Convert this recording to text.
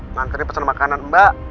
nganternya pesan makanan mbak